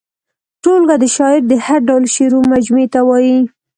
ټولګه د شاعر د هر ډول شعرو مجموعې ته وايي.